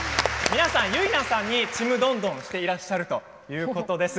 皆さん、結菜さんにちむどんどんしていらっしゃるということです。